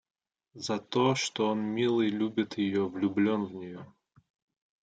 За то, что он, милый, любит ее, влюблен в нее.